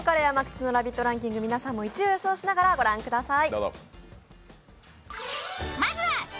皆さんも１位を予想しながらご覧ください。